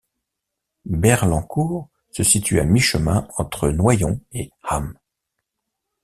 Berlancourt se situe à mi-chemin entre Noyon et Ham.